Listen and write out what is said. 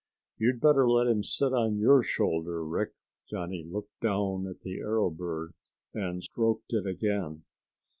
"You better let him sit on your shoulder, Rick." Johnny looked down at the arrow bird and stroked it again.